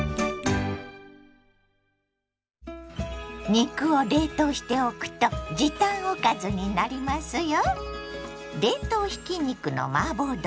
肉を冷凍しておくと時短おかずになりますよ。